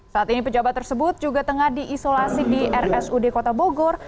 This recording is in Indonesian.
saat ini pejabat tersebut juga tengah diisolasi di rsud kota bogor